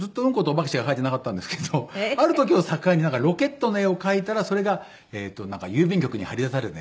お化けしか描いてなかったんですけどある時を境にロケットの絵を描いたらそれが郵便局に貼り出されて。